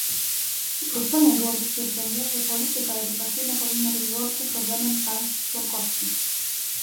Uproszczeniem byłoby stwierdzenie, że polityka edukacyjna powinna być wyłącznie problemem państw członkowskich